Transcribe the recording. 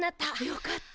よかった。